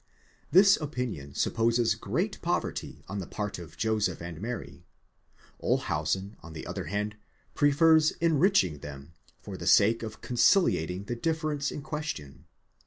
This opinion supposes great poverty on the part of Joseph and Mary ; Olshausen, on the other hand, prefers enriching them, for the sake of conciliating the difference in question.